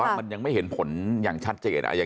มันยังไม่เห็นผลอย่างชัดเจน